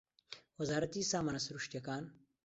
وەزارەتی سامانە سروشتییەکان